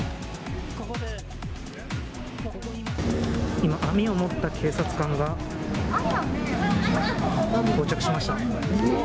今、網を持った警察官が到着しました。